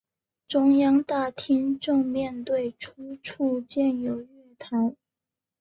中央大厅正面对出处建有月台。